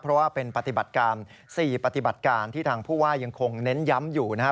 เพราะว่าเป็นปฏิบัติการ๔ปฏิบัติการที่ทางผู้ว่ายังคงเน้นย้ำอยู่นะครับ